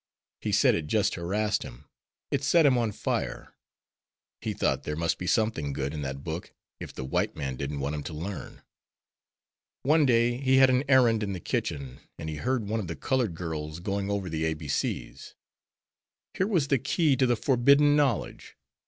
He said it just harassed him; it set him on fire. He thought there must be something good in that book if the white man didn't want him to learn. One day he had an errand in the kitchen, and he heard one of the colored girls going over the ABC's. Here was the key to the forbidden knowledge.